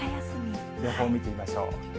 予報見てみましょう。